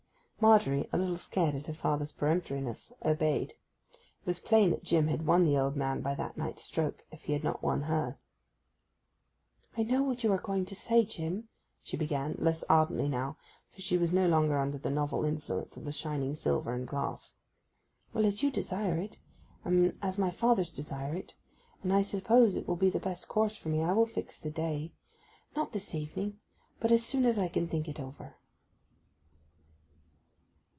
Margery, a little scared at her father's peremptoriness, obeyed. It was plain that Jim had won the old man by that night's stroke, if he had not won her. 'I know what you are going to say, Jim,' she began, less ardently now, for she was no longer under the novel influence of the shining silver and glass. 'Well, as you desire it, and as my father desires it, and as I suppose it will be the best course for me, I will fix the day—not this evening, but as soon as I can think it over.